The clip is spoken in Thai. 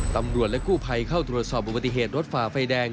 ตำรวจและกู้ภัยเข้าตรวจสอบอุบัติเหตุรถฝ่าไฟแดง